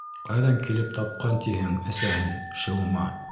Ҡайҙан килеп тапҡан тиһең әсәһен, шилма.